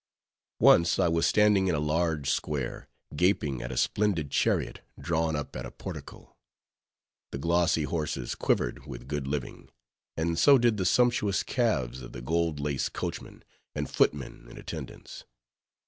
Once I was standing in a large square, gaping at a splendid chariot drawn up at a portico. The glossy horses quivered with good living, and so did the sumptuous calves of the gold laced coachman and footmen in attendance.